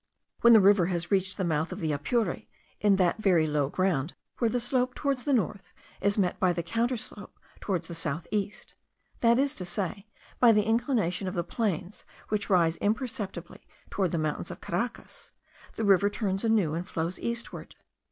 When the river has reached the mouth of the Apure in that very low ground where the slope towards the north is met by the counter slope towards the south east, that is to say, by the inclination of the plains which rise imperceptibly towards the mountains of Caracas, the river turns anew and flows eastward.